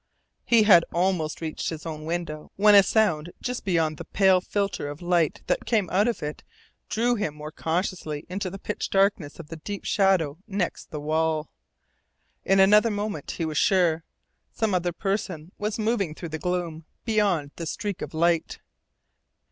He had almost reached his own window when a sound just beyond the pale filter of light that came out of it drew him more cautiously into the pitch darkness of the deep shadow next the wall. In another moment he was sure. Some other person was moving through the gloom beyond the streak of light.